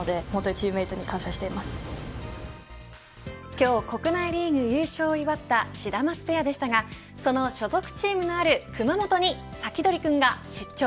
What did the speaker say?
今日国内リーグ優勝を祝ったシダマツペアでしたがその所属チームのある熊本にサキドリくんが出張。